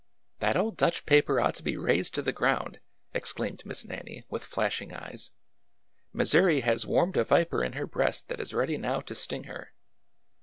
'' That old Dutch paper ought to be razed to the ground 1 " exclaimed Miss Nannie, with flashing eyes. '' Missouri has warmed a viper in her breast that is ready now to sting her